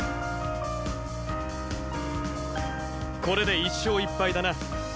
これで１勝１敗だな。